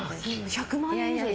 １００万円以上ですよ